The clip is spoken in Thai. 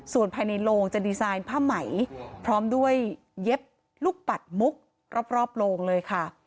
ส่วนภายในโลงจะดีไซน์ผ้าไหมพร้อมด้วยเย็บลูกปัดมุกรอบโลงเลยค่ะ